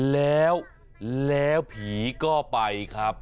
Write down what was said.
แล้วแล้วผีก็ไปครับ